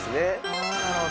ああなるほど。